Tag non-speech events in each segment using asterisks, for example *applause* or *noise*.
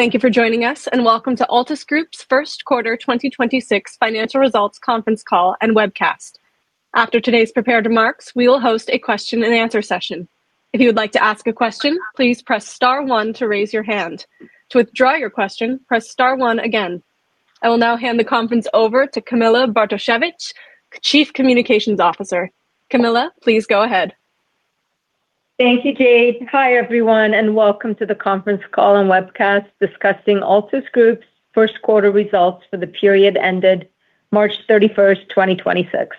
Thank you for joining us, and welcome to Altus Group's first quarter 2026 financial results conference call and webcast. After today's prepared remarks, we will host a Q&A session. If you'd like to ask a question, please press star one to raise your hand. To withdraw your question, press star one again. I will now hand the conference over to Camilla Bartosiewicz, Chief Communications Officer. Camilla, please go ahead. Thank you, Jade. Hi, everyone, and welcome to the conference call and webcast discussing Altus Group's first quarter results for the period ended March 31st, 2026.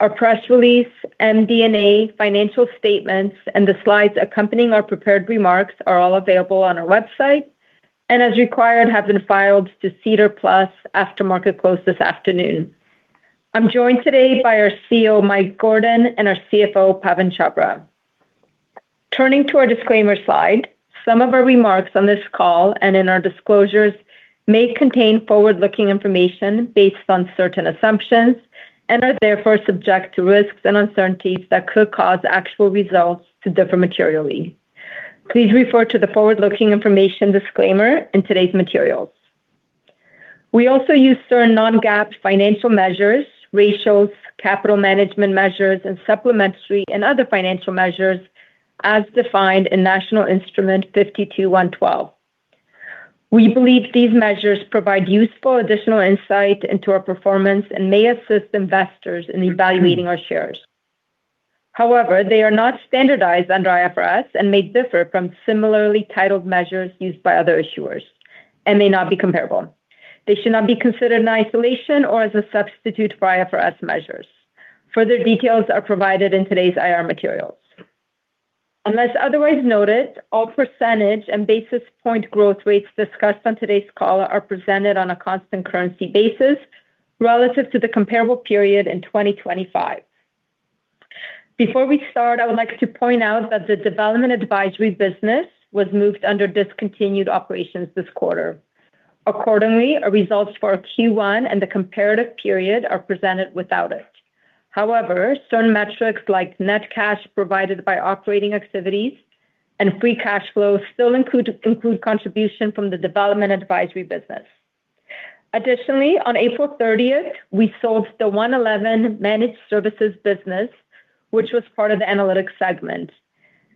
Our press release, MD&A, financial statements, and the slides accompanying our prepared remarks are all available on our website. As required, have been filed to SEDAR+ after market close this afternoon. I'm joined today by our CEO, Mike Gordon, and our CFO, Pawan Chhabra. Turning to our disclaimer slide, some of our remarks on this call and in our disclosures may contain forward-looking information based on certain assumptions and are therefore subject to risks and uncertainties that could cause actual results to differ materially. Please refer to the forward-looking information disclaimer in today's materials. We also use certain non-GAAP financial measures, ratios, capital management measures, and supplementary and other financial measures as defined in National Instrument 52-112. We believe these measures provide useful additional insight into our performance and may assist investors in evaluating our shares. However, they are not standardized under IFRS and may differ from similarly titled measures used by other issuers and may not be comparable. They should not be considered in isolation or as a substitute for IFRS measures. Further details are provided in today's IR materials. Unless otherwise noted, all percentage and basis point growth rates discussed on today's call are presented on a constant currency basis relative to the comparable period in 2025. Before we start, I would like to point out that the Development Advisory business was moved under discontinued operations this quarter. Accordingly, our results for Q1 and the comparative period are presented without it. However, certain metrics like net cash provided by operating activities and free cash flow still include contribution from the Development Advisory business. Additionally, on April 30th, we sold the One11 Managed Services business, which was part of the Analytics segment.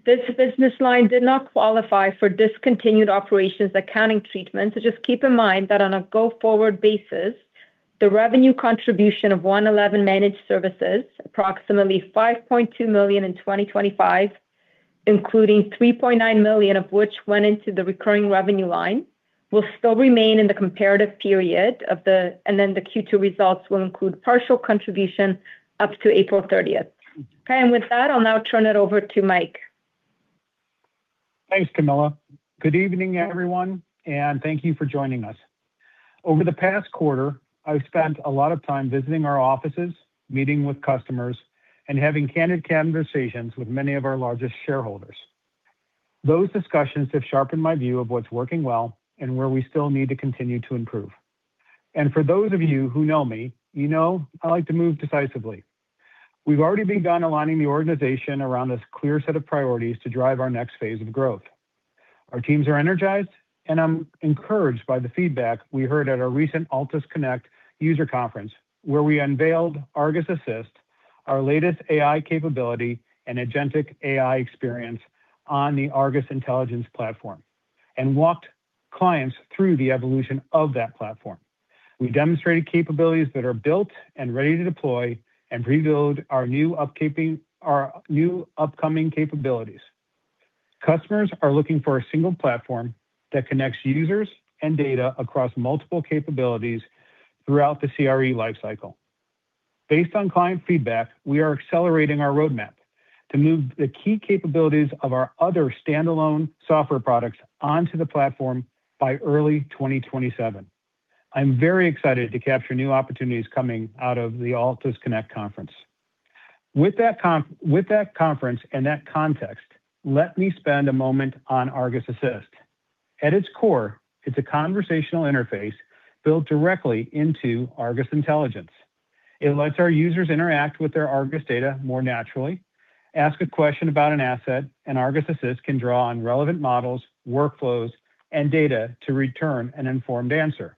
This business line did not qualify for discontinued operations accounting treatment. Just keep in mind that on a go-forward basis, the revenue contribution of One11 Managed Services, approximately 5.2 million in 2025, including 3.9 million of which went into the recurring revenue line, will still remain in the comparative period. The Q2 results will include partial contribution up to April 30th. Okay, with that, I'll now turn it over to Mike. Thanks, Camilla. Good evening, everyone, and thank you for joining us. Over the past quarter, I've spent a lot of time visiting our offices, meeting with customers, and having candid conversations with many of our largest shareholders. Those discussions have sharpened my view of what's working well and where we still need to continue to improve. For those of you who know me, you know I like to move decisively. We've already begun aligning the organization around this clear set of priorities to drive our next phase of growth. Our teams are energized, and I'm encouraged by the feedback we heard at our recent Altus Connect user conference, where we unveiled ARGUS Assist, our latest AI capability and agentic AI experience on the ARGUS Intelligence platform and walked clients through the evolution of that platform. We demonstrated capabilities that are built and ready to deploy and previewed our new upcoming capabilities. Customers are looking for a single platform that connects users and data across multiple capabilities throughout the CRE life cycle. Based on client feedback, we are accelerating our roadmap. The key capabilities of our other standalone software products onto the platform by early 2027. I'm very excited to capture new opportunities coming out of the Altus Connect conference. With that conference and that context, let me spend a moment on ARGUS Assist. At its core, it's a conversational interface built directly into ARGUS Intelligence. It lets our users interact with their ARGUS data more naturally, ask a question about an asset, and ARGUS Assist can draw on relevant models, workflows, and data to return an informed answer.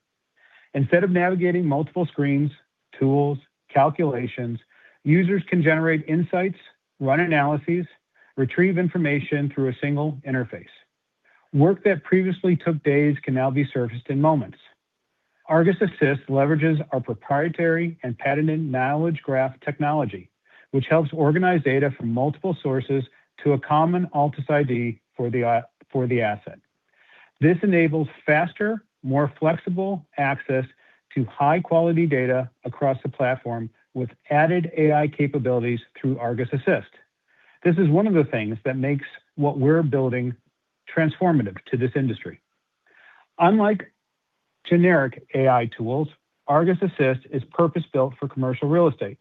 Instead of navigating multiple screens, tools, calculations, users can generate insights, run analyses, retrieve information through a single interface. Work that previously took days can now be surfaced in moments. ARGUS Assist leverages our proprietary and patented Knowledge Graph technology, which helps organize data from multiple sources to a common Altus ID for the asset. This enables faster, more flexible access to high-quality data across the platform with added AI capabilities through ARGUS Assist. This is one of the things that makes what we're building transformative to this industry. Unlike generic AI tools, ARGUS Assist is purpose-built for commercial real estate.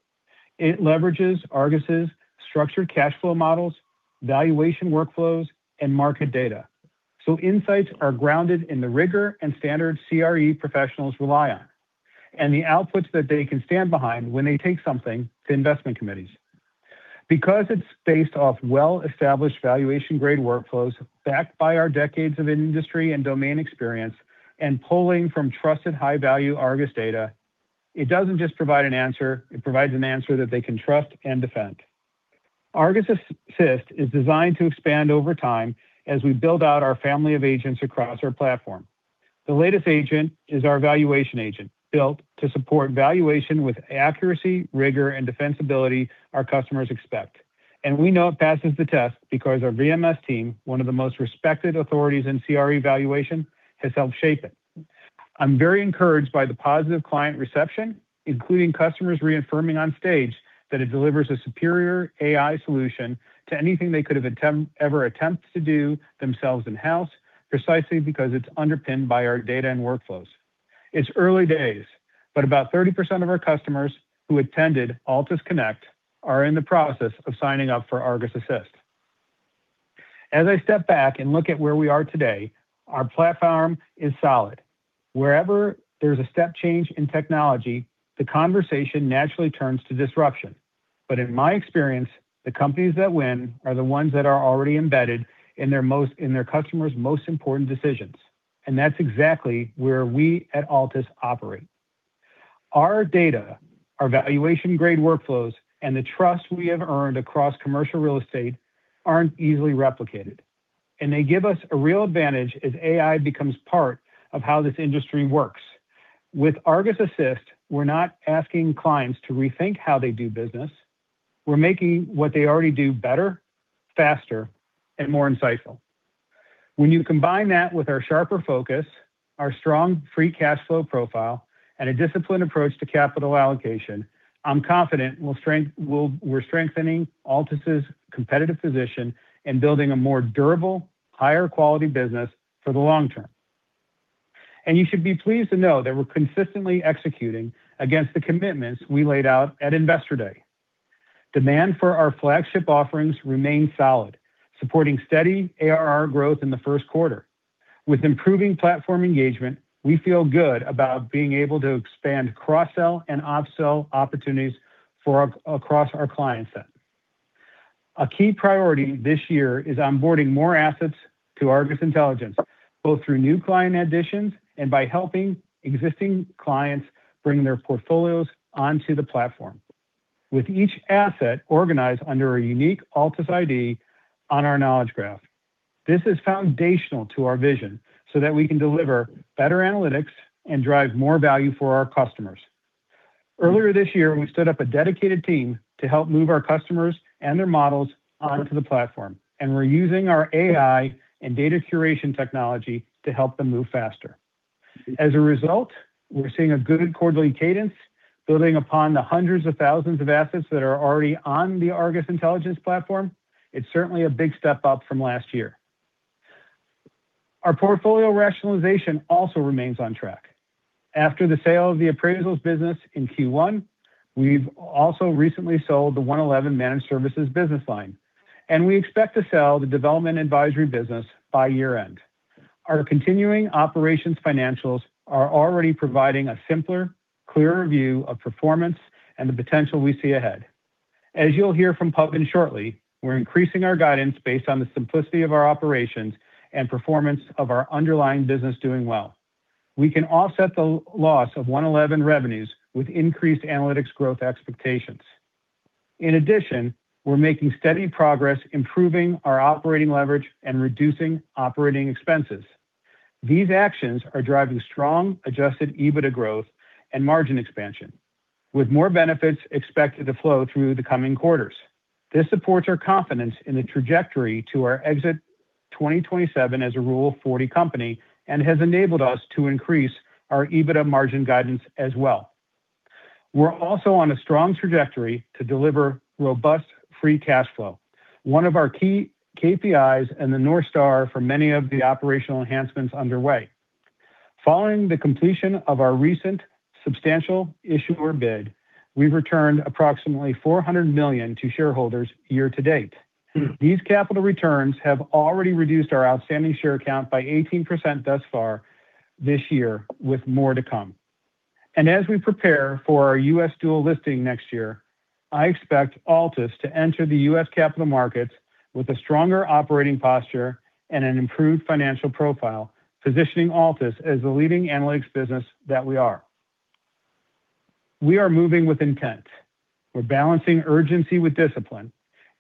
It leverages ARGUS's structured cash flow models, valuation workflows, and market data, so insights are grounded in the rigor and standards CRE professionals rely on, and the outputs that they can stand behind when they take something to investment committees. Because it's based off well-established valuation-grade workflows backed by our decades of industry and domain experience and pulling from trusted high-value ARGUS data, it doesn't just provide an answer, it provides an answer that they can trust and defend. ARGUS Assist is designed to expand over time as we build out our family of agents across our platform. The latest agent is our valuation agent, built to support valuation with accuracy, rigor, and defensibility our customers expect. We know it passes the test because our VMS team, one of the most respected authorities in CRE valuation, has helped shape it. I'm very encouraged by the positive client reception, including customers reaffirming on stage that it delivers a superior AI solution to anything they could have ever attempted to do themselves in-house, precisely because it's underpinned by our data and workflows. It's early days, but about 30% of our customers who attended Altus Connect are in the process of signing up for ARGUS Assist. As I step back and look at where we are today, our platform is solid. Wherever there's a step change in technology, the conversation naturally turns to disruption. In my experience, the companies that win are the ones that are already embedded in their customer's most important decisions. That's exactly where we at Altus operate. Our data, our valuation-grade workflows, and the trust we have earned across commercial real estate aren't easily replicated, and they give us a real advantage as AI becomes part of how this industry works. With ARGUS Assist, we're not asking clients to rethink how they do business. We're making what they already do better, faster, and more insightful. When you combine that with our sharper focus, our strong free cash flow profile, and a disciplined approach to capital allocation, I'm confident we're strengthening Altus' competitive position and building a more durable, higher quality business for the long term. You should be pleased to know that we're consistently executing against the commitments we laid out at Investor Day. Demand for our flagship offerings remain solid, supporting steady ARR growth in the first quarter. With improving platform engagement, we feel good about being able to expand cross-sell and upsell opportunities across our client set. A key priority this year is onboarding more assets to ARGUS Intelligence, both through new client additions and by helping existing clients bring their portfolios onto the platform. With each asset organized under a unique Altus ID on our Knowledge Graph. This is foundational to our vision so that we can deliver better analytics and drive more value for our customers. Earlier this year, we stood up a dedicated team to help move our customers and their models onto the platform, and we're using our AI and data curation technology to help them move faster. As a result, we're seeing a good quarterly cadence, building upon the hundreds of thousands of assets that are already on the ARGUS Intelligence platform. It's certainly a big step up from last year. Our portfolio rationalization also remains on track. After the sale of the Appraisals business in Q1, we've also recently sold the One11 Managed Services business line, and we expect to sell the Development Advisory business by year-end. Our continuing operations financials are already providing a simpler, clearer view of performance and the potential we see ahead. As you'll hear from Pawan shortly, we're increasing our guidance based on the simplicity of our operations and performance of our underlying business doing well. We can offset the loss of One11 revenues with increased analytics growth expectations. In addition, we're making steady progress improving our operating leverage and reducing operating expenses. These actions are driving strong adjusted EBITDA growth and margin expansion, with more benefits expected to flow through the coming quarters. This supports our confidence in the trajectory to our exit 2027 as a Rule of 40 company and has enabled us to increase our EBITDA margin guidance as well. We're also on a strong trajectory to deliver robust free cash flow. One of our key KPIs and the North Star for many of the operational enhancements underway. Following the completion of our recent substantial issuer bid, we've returned approximately 400 million to shareholders year-to-date. These capital returns have already reduced our outstanding share count by 18% thus far this year, with more to come. As we prepare for our U.S. dual listing next year, I expect Altus to enter the U.S. capital markets with a stronger operating posture and an improved financial profile, positioning Altus as the leading analytics business that we are. We are moving with intent. We're balancing urgency with discipline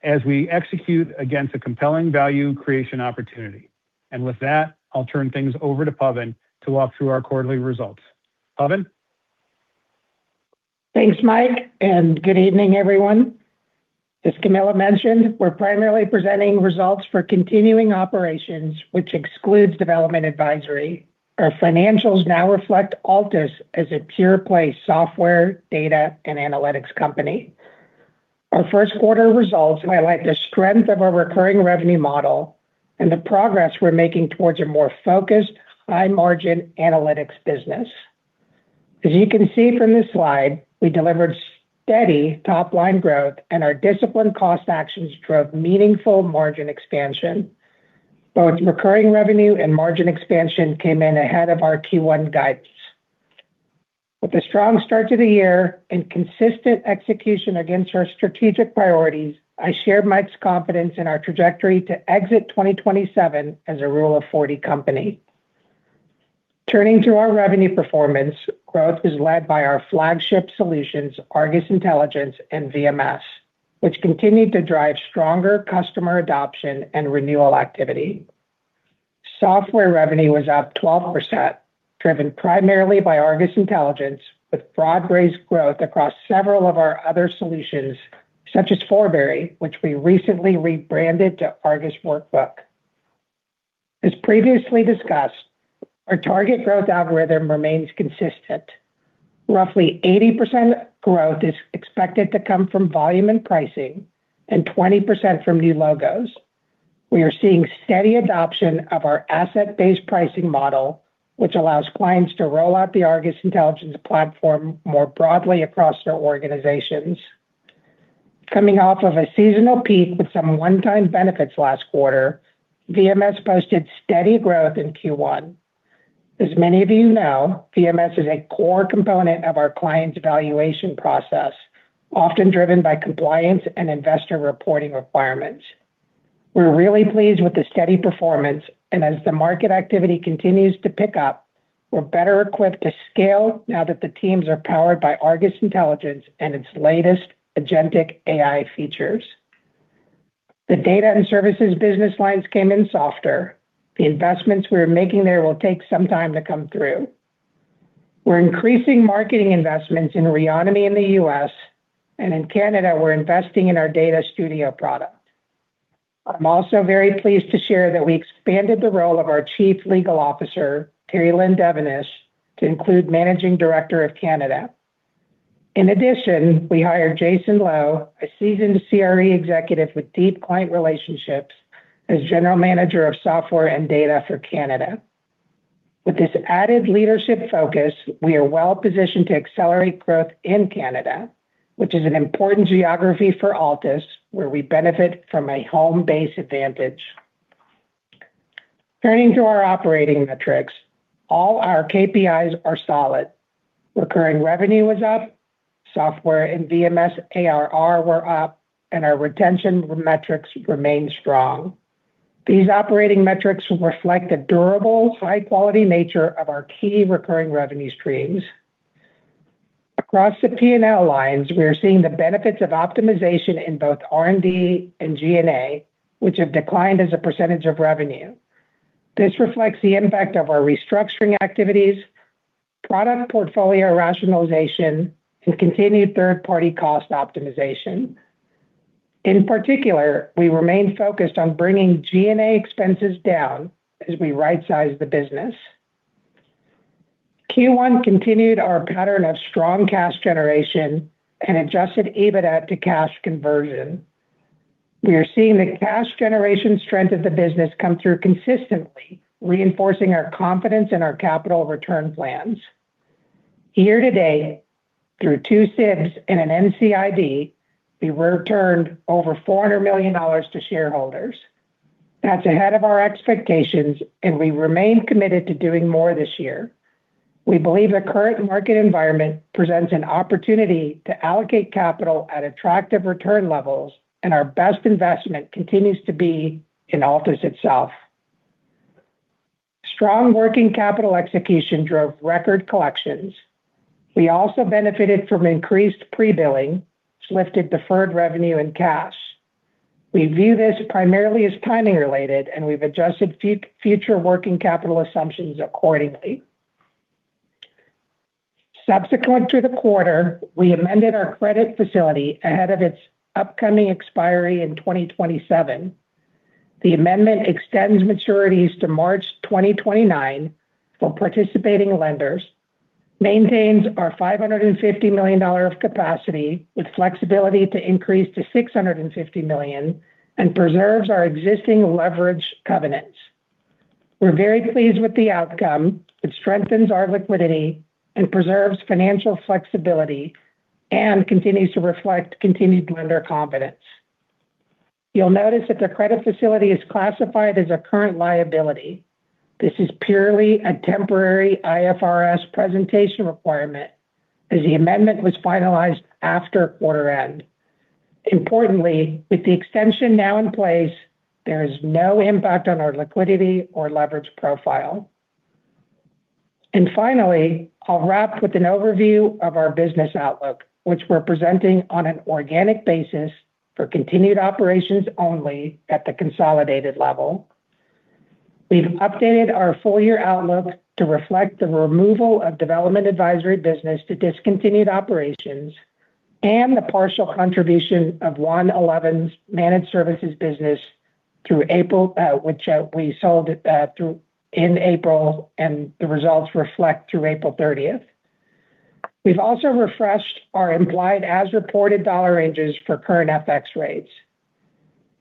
as we execute against a compelling value creation opportunity. With that, I'll turn things over to Pawan to walk through our quarterly results. Pawan? Thanks, Mike. Good evening, everyone. As Camilla mentioned, we're primarily presenting results for continuing operations, which excludes Development Advisory. Our financials now reflect Altus as a pure-play software, data, and analytics company. Our first quarter results highlight the strength of our recurring revenue model and the progress we're making towards a more focused, high-margin analytics business. As you can see from this slide, we delivered steady top-line growth. Our disciplined cost actions drove meaningful margin expansion. Both recurring revenue and margin expansion came in ahead of our Q1 guidance. With a strong start to the year and consistent execution against our strategic priorities, I share Mike's confidence in our trajectory to exit 2027 as a Rule of 40 company. Turning to our revenue performance, growth is led by our flagship solutions, ARGUS Intelligence and VMS, which continue to drive stronger customer adoption and renewal activity. Software revenue was up 12%, driven primarily by ARGUS Intelligence, with broad-based growth across several of our other solutions, such as Forbury, which we recently rebranded to ARGUS Workbook. As previously discussed, our target growth algorithm remains consistent. Roughly 80% growth is expected to come from volume and pricing and 20% from new logos. We are seeing steady adoption of our asset-based pricing model, which allows clients to roll out the ARGUS Intelligence platform more broadly across their organizations. Coming off of a seasonal peak with some one-time benefits last quarter, VMS posted steady growth in Q1. As many of you know, VMS is a core component of our client's valuation process, often driven by compliance and investor reporting requirements. We're really pleased with the steady performance, and as the market activity continues to pick up, we're better equipped to scale now that the teams are powered by ARGUS Intelligence and its latest agentic AI features. The data and services business lines came in softer. The investments we're making there will take some time to come through. We're increasing marketing investments in Reonomy in the U.S., and in Canada, we're investing in our Data Studio product. I'm also very pleased to share that we expanded the role of our Chief Legal Officer, Terrie-Lynne Devonish, to include Managing Director of Canada. In addition, we hired Jason Lowe, a seasoned CRE executive with deep client relationships, as General Manager of Software and Data for Canada. With this added leadership focus, we are well positioned to accelerate growth in Canada, which is an important geography for Altus, where we benefit from a home-base advantage. Turning to our operating metrics, all our KPIs are solid. Recurring revenue was up, software and VMS ARR were up, and our retention metrics remain strong. These operating metrics reflect the durable, high-quality nature of our key recurring revenue streams. Across the P&L lines, we are seeing the benefits of optimization in both R&D and G&A, which have declined as a percentage of revenue. This reflects the impact of our restructuring activities, product portfolio rationalization, and continued third-party cost optimization. In particular, we remain focused on bringing G&A expenses down as we rightsize the business. Q1 continued our pattern of strong cash generation and adjusted EBITDA to cash conversion. We are seeing the cash generation strength of the business come through consistently, reinforcing our confidence in our capital return plans. Here today, through two SIBs and an NCIB, we returned over 400 million dollars to shareholders. That's ahead of our expectations. We remain committed to doing more this year. We believe the current market environment presents an opportunity to allocate capital at attractive return levels. Our best investment continues to be in Altus itself. Strong working capital execution drove record collections. We also benefited from increased pre-billing, which lifted deferred revenue and cash. We view this primarily as timing related. We've adjusted future working capital assumptions accordingly. Subsequent to the quarter, we amended our credit facility ahead of its upcoming expiry in 2027. The amendment extends maturities to March 2029 for participating lenders, maintains our 550 million dollars of capacity with flexibility to increase to 650 million, and preserves our existing leverage covenants. We're very pleased with the outcome. It strengthens our liquidity and preserves financial flexibility and continues to reflect continued lender confidence. You'll notice that the credit facility is classified as a current liability. This is purely a temporary IFRS presentation requirement as the amendment was finalized after quarter end. Importantly, with the extension now in place, there is no impact on our liquidity or leverage profile. Finally, I'll wrap with an overview of our business outlook, which we're presenting on an organic basis for continued operations only at the consolidated level. We've updated our full-year outlook to reflect the removal of Development Advisory business to discontinued operations and the partial contribution of One11's Managed Services business through April, which we sold in April, and the results reflect through April 30th. We've also refreshed our implied as-reported dollar ranges for current FX rates.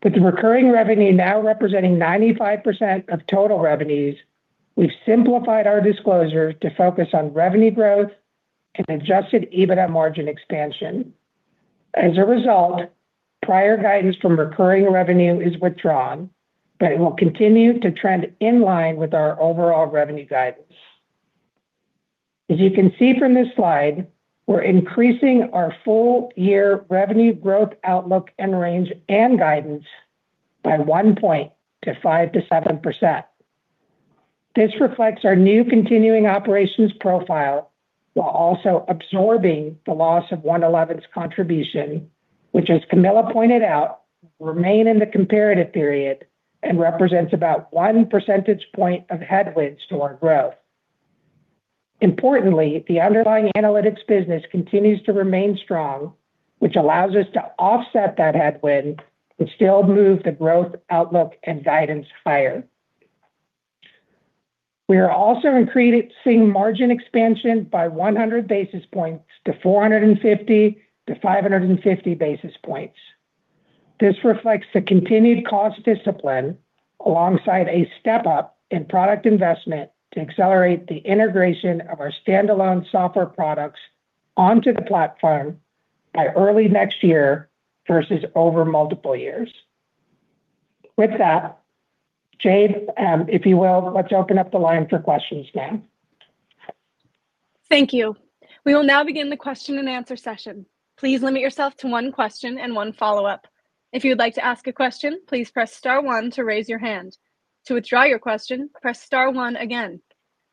With the recurring revenue now representing 95% of total revenues, we've simplified our disclosure to focus on revenue growth and adjusted EBITDA margin expansion. As a result, prior guidance from recurring revenue is withdrawn, but it will continue to trend in line with our overall revenue guidance. As you can see from this slide, we're increasing our full year revenue growth outlook and range and guidance by one point, to 5%-7%. This reflects our new continuing operations profile while also absorbing the loss of One11's contribution, which as Camilla pointed out, remain in the comparative period and represents about 1 percentage point of headwinds to our growth. Importantly, the underlying analytics business continues to remain strong, which allows us to offset that headwind, but still move the growth outlook and guidance higher. We are also increasing margin expansion by 100 basis points to 450 to 550 basis points. This reflects the continued cost discipline alongside a step-up in product investment to accelerate the integration of our standalone software products onto the platform by early next year versus over multiple years. With that, Jade, if you will, let's open up the line for questions now. Thank you. We will now begin the Q&A session. Please limit yourself to one question and one follow-up. If you'd like to ask a question, please press star one to raise your hand. To withdraw your question, press star one again.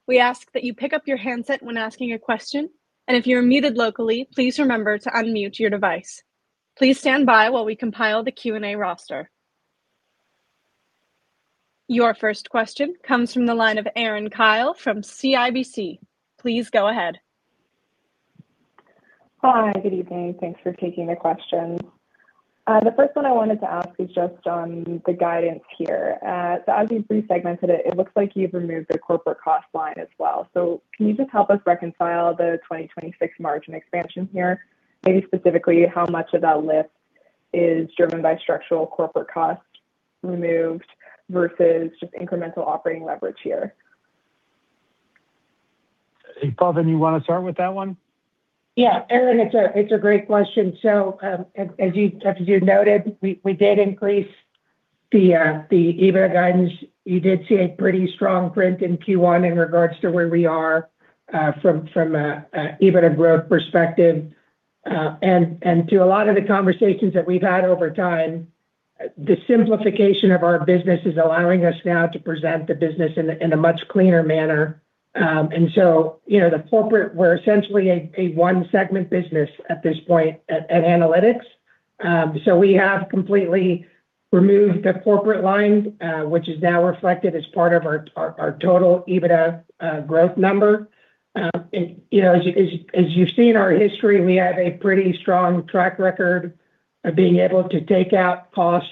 We ask that you pick up your handset when asking a question, and if you're muted locally, please remember to unmute your device. Please stand by while we compile the Q&A roster. Your first question comes from the line of Erin Kyle from CIBC. Please go ahead. Hi, good evening. Thanks for taking the questions. The first one I wanted to ask is just on the guidance here. As you've resegmented it looks like you've removed the corporate cost line as well. Can you just help us reconcile the 2026 margin expansion here? Maybe specifically how much of that lift is driven by structural corporate costs removed versus incremental operating leverage here? Pawan, you wanna start with that one? Yeah. Erin, it's a great question. As you noted, we did increase the EBITDA guidance. You did see a pretty strong print in Q1 in regards to where we are from an EBITDA growth perspective. And through a lot of the conversations that we've had over time, the simplification of our business is allowing us now to present the business in a much cleaner manner. You know, we're essentially a one segment business at this point at Analytics. We have completely removed the corporate line, which is now reflected as part of our total EBITDA growth number. You know, as you've seen our history, we have a pretty strong track record of being able to take out costs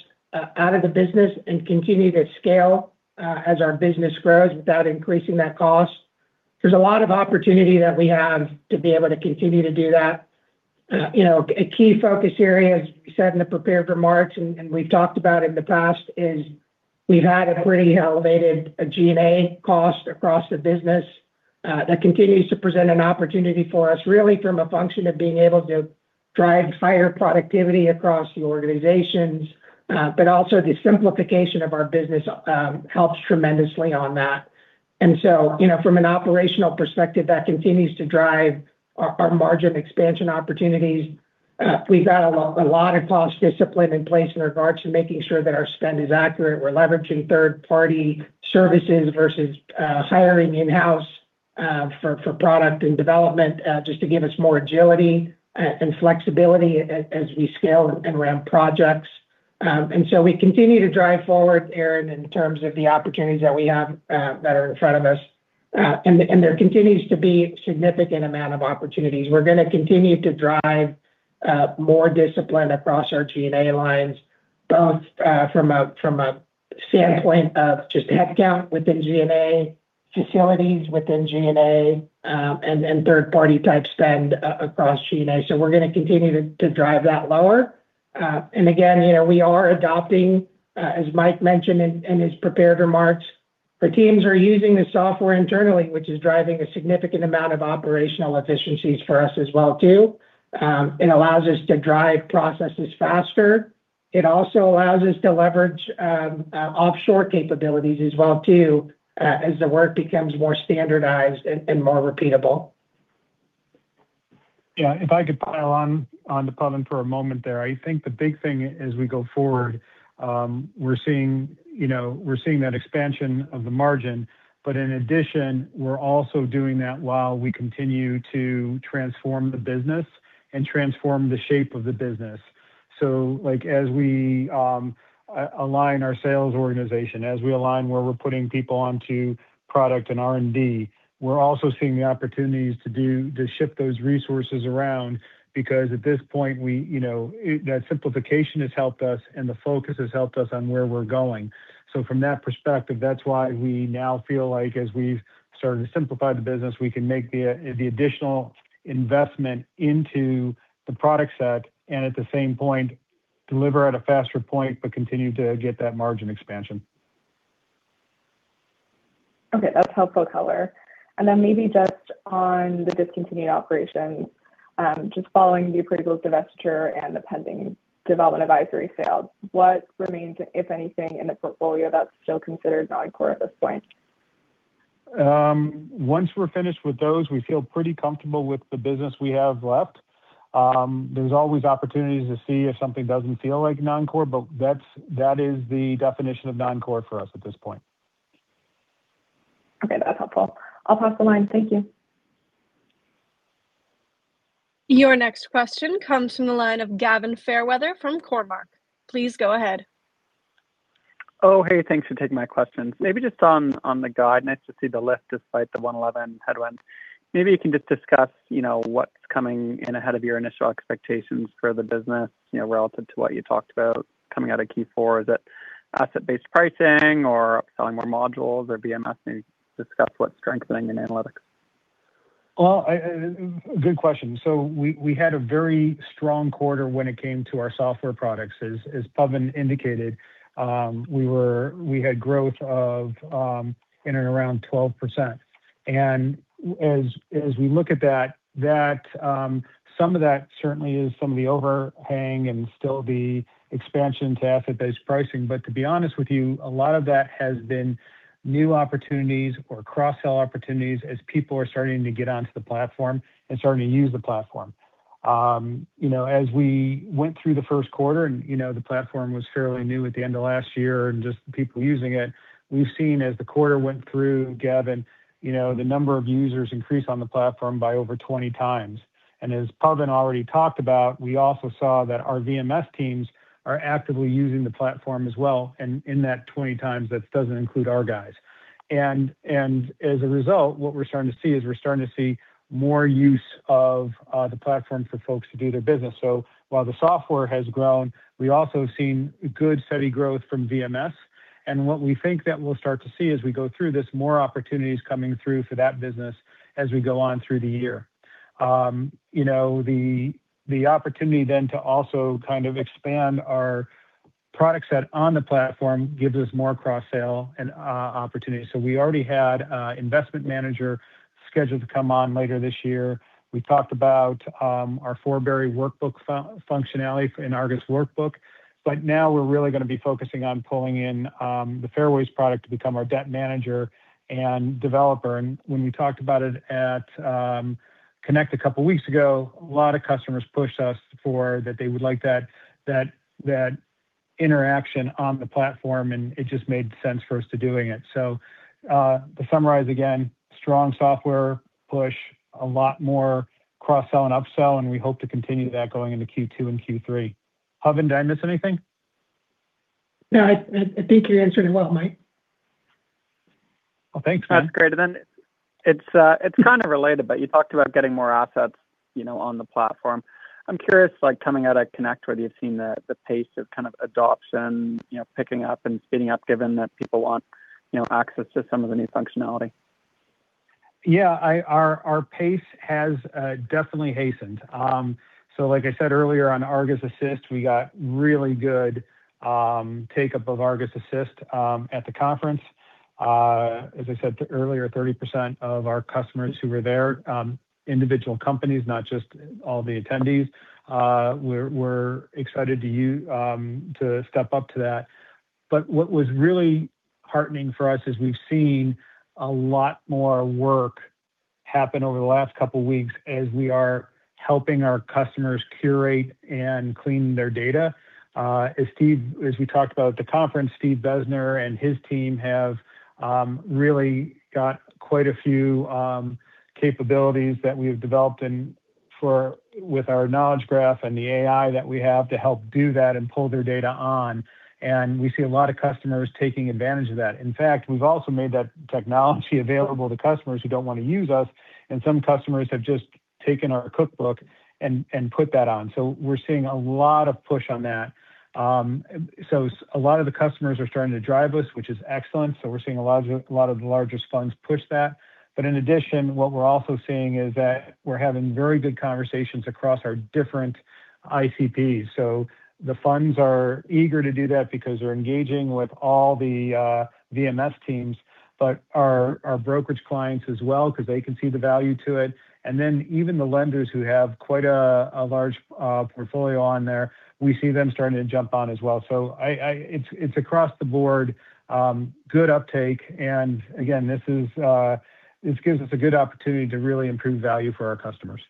out of the business and continue to scale as our business grows without increasing that cost. There's a lot of opportunity that we have to be able to continue to do that. You know, a key focus area, as we said in the prepared remarks and we've talked about in the past, is we've had a pretty elevated G&A cost across the business that continues to present an opportunity for us really from a function of being able to drive higher productivity across the organizations. Also the simplification of our business helps tremendously on that. You know, from an operational perspective, that continues to drive our margin expansion opportunities. We've got a lot of cost discipline in place in regards to making sure that our spend is accurate. We're leveraging third-party services versus hiring in-house for product and development just to give us more agility and flexibility as we scale and ramp projects. We continue to drive forward, Erin, in terms of the opportunities that we have that are in front of us. There continues to be significant amount of opportunities. We're gonna continue to drive more discipline across our G&A lines, both from a standpoint of just headcount within G&A, facilities within G&A, and third-party type spend across G&A. We're gonna continue to drive that lower. Again, you know, we are adopting, as Mike mentioned in his prepared remarks, the teams are using the software internally, which is driving a significant amount of operational efficiencies for us as well too. It allows us to drive processes faster. It also allows us to leverage offshore capabilities as well too, as the work becomes more standardized and more repeatable. Yeah. If I could pile on to Pawan for a moment there. I think the big thing as we go forward, we're seeing, you know, we're seeing that expansion of the margin. In addition, we're also doing that while we continue to transform the business and transform the shape of the business. Like, as we align our sales organization, as we align where we're putting people onto product and R&D, we're also seeing the opportunities to shift those resources around because at this point, we, you know, that simplification has helped us and the focus has helped us on where we're going. From that perspective, that's why we now feel like as we've started to simplify the business, we can make the additional investment into the product set and at the same point, deliver at a faster point but continue to get that margin expansion. Okay, that's helpful color. Maybe just on the discontinued operations, just following the [Acuitus divestiture and the pending Development Advisory sale, what remains, if anything, in the portfolio that's still considered non-core at this point? Once we're finished with those, we feel pretty comfortable with the business we have left. There's always opportunities to see if something doesn't feel like non-core, that is the definition of non-core for us at this point. Okay, that's helpful. I'll pass the line. Thank you. Your next question comes from the line of Gavin Fairweather from Cormark. Please go ahead. Oh, hey, thanks for taking my questions. Maybe just on the guidance to see the lift despite the One11 headwinds, maybe you can just discuss, you know, what's coming in ahead of your initial expectations for the business, you know, relative to what you talked about coming out of Q4. Is it asset-based pricing or more modules or VMS? Maybe discuss what's strengthening in Analytics. Good question. We had a very strong quarter when it came to our software products. As Pawan indicated, we had growth of in and around 12%. As we look at that, some of that certainly is some of the overhang and still the expansion to asset-based pricing. To be honest with you, a lot of that has been new opportunities or cross-sell opportunities as people are starting to get onto the platform and starting to use the platform. You know, as we went through the first quarter and, you know, the platform was fairly new at the end of last year and just people using it, we've seen as the quarter went through, Gavin, you know, the number of users increase on the platform by over 20x. As Pawan already talked about, we also saw that our VMS teams are actively using the platform as well. In that 20x, that doesn't include our guys. As a result, what we're starting to see is we're starting to see more use of the platform for folks to do their business. While the software has grown, we also have seen good, steady growth from VMS. What we think that we'll start to see as we go through this, more opportunities coming through for that business as we go on through the year. You know, the opportunity then to also kind of expand our product set on the platform gives us more cross-sell opportunities. We already had investment manager scheduled to come on later this year. We talked about our Forbury workbook functionality in ARGUS Workbook, right now we're really gonna be focusing on pulling in the Fairways product to become our debt manager and developer. When we talked about it at Connect a couple weeks ago, a lot of customers pushed us that they would like that interaction on the platform, it just made sense for us to doing it. To summarize again, strong software push, a lot more cross-sell and upsell, we hope to continue that going into Q2 and Q3. Pawan, did I miss anything? No, I think you answered it well, Mike. *audio distortion* It's kinda related, but you talked about getting more assets, you know, on the platform. I'm curious, like coming out of Connect, whether you've seen the pace of kind of adoption, you know, picking up and speeding up given that people want, you know, access to some of the new functionality. Yeah, our pace has definitely hastened. Like I said earlier, on ARGUS Assist, we got really good take-up of ARGUS Assist at the conference. As I said earlier, 30% of our customers who were there, individual companies, not just all the attendees, were excited to step up to that. What was really heartening for us is we've seen a lot more work happen over the last couple weeks as we are helping our customers curate and clean their data. As we talked about at the conference, Steve Bezner and his team have really got quite a few capabilities that we've developed with our Knowledge Graph and the AI that we have to help do that and pull their data on. We see a lot of customers taking advantage of that. In fact, we've also made that technology available to customers who don't wanna use us, and some customers have just taken our cookbook and put that on. We're seeing a lot of push on that. A lot of the customers are starting to drive us, which is excellent, so we're seeing a lot of the largest funds push that. In addition, what we're also seeing is that we're having very good conversations across our different ICPs. The funds are eager to do that because they're engaging with all the VMS teams, but our brokerage clients as well 'cause they can see the value to it, and then even the lenders who have quite a large portfolio on there, we see them starting to jump on as well. It's across the board, good uptake and again, this is, this gives us a good opportunity to really improve value for our customers.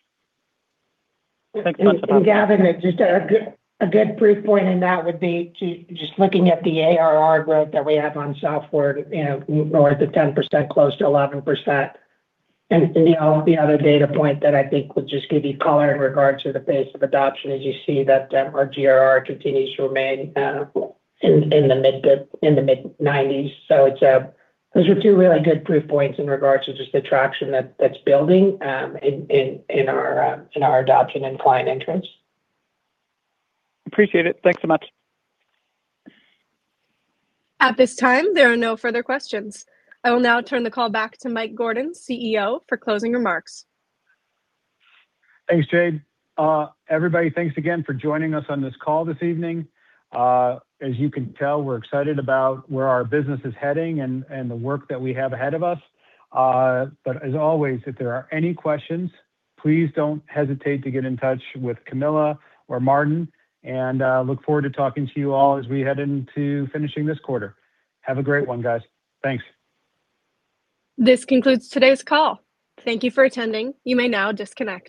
Thanks so much. Gavin, just a good proof point in that would be to just looking at the ARR growth that we have on software, you know, north of 10%, close to 11%. You know, the other data point that I think would just give you color in regards to the pace of adoption is you see that our GRR continues to remain in the mid-90s. Those are two really good proof points in regards to just the traction that's building in our adoption and client entrance. Appreciate it. Thanks so much. At this time, there are no further questions. I will now turn the call back to Mike Gordon, CEO, for closing remarks. Thanks, Jade. Everybody, thanks again for joining us on this call this evening. As you can tell, we're excited about where our business is heading and the work that we have ahead of us. As always, if there are any questions, please don't hesitate to get in touch with Camilla or Martin, and I look forward to talking to you all as we head into finishing this quarter. Have a great one, guys. Thanks. This concludes today's call. Thank you for attending. You may now disconnect.